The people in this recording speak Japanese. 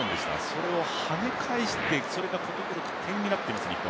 それをはね返して、それが得点になっています、日本。